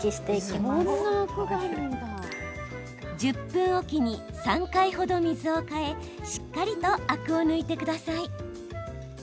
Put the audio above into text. １０分おきに３回ほど水をかえしっかりとアクを抜いてください。